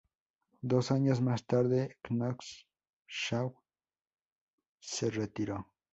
Dos años más tarde Knox-Shaw se retiró.